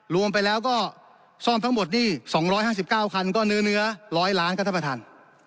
รวมไปแล้วก็ซ่อมทั้งหมดนี่๒๕๙คันก็เนื้อ๑๐๐ล้านครับท่านประธาน